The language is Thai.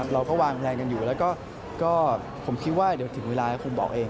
เราก็วางแผนกันอยู่ผมคิดว่าเดี๋ยวถึงเวลาครับผมบอกเอง